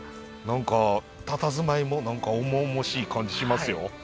何かたたずまいも重々しい感じしますよ。